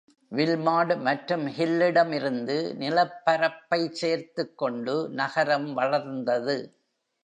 வில்மாட் மற்றும் ஹில்லிடம் இருந்து நிலப்பரப்பை சேர்த்துக் கொண்டு நகரம் வளர்ந்தது.